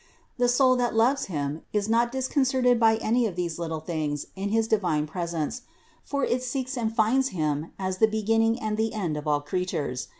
The soul that loves Him, is not dis concerted by any of these little things in his divine pres ence; for it seeks and finds Him as the beginning and the end of all creatures.